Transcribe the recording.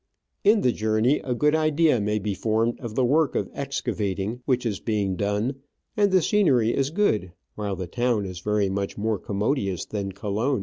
In the journey a good idea may be formed of the work of excavating which is being done ; and the scenery is good, while the town is very much more commodious than Colon.